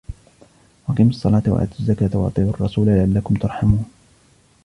وَأَقِيمُوا الصَّلَاةَ وَآتُوا الزَّكَاةَ وَأَطِيعُوا الرَّسُولَ لَعَلَّكُمْ تُرْحَمُونَ